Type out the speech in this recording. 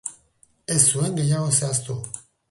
Ez zuen gehiago zehaztu.